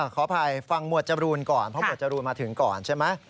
ขออภัยฟังหมวดจรูนก่อนเพราะหมวดจรูนมาถึงก่อนใช่ไหม